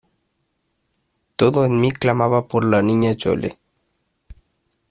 todo en mí clamaba por la Niña Chole.